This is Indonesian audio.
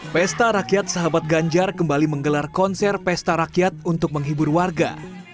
pesta rakyat sahabat ganjar kembali menggelar konser pesta rakyat untuk menghibur warga